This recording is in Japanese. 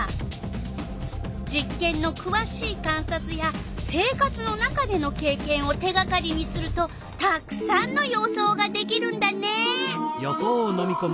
実けんのくわしい観察や生活の中でのけいけんを手がかりにするとたくさんの予想ができるんだね。